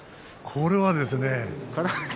これはですね。